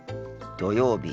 土曜日。